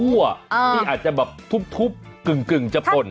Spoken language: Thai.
ที่อาจจะแบบทุบกึ่งจะป่น